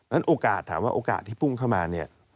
โอกาสถามว่าโอกาสที่พุ่งเข้ามาเนี่ย